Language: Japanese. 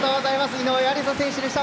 井上愛里沙選手でした。